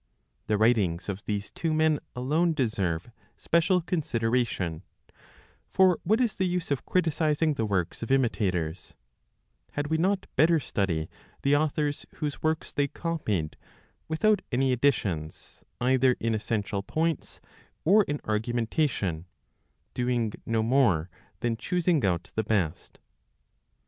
The writings of these two men alone deserve special consideration; for what is the use of criticizing the works of imitators; had we not better study the authors whose works they copied, without any additions, either in essential points, or in argumentation, doing no more than choosing out the best?